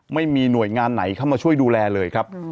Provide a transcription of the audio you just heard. ไม่มีหน่วยงานไหนเข้ามาช่วยดูแลเลยครับ